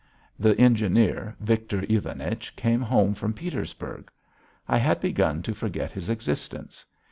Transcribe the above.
The engineer, Victor Ivanich, came home from Petersburg. I had begun to forget his existence.